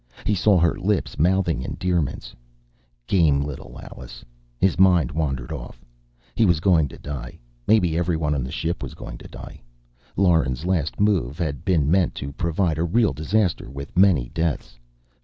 He saw her lips mouthing endearments.... Game little Allie.... His mind wandered off. He was going to die. Maybe everyone on the ship was going to die. Lauren's last move had been meant to provide a real disaster, with many deaths!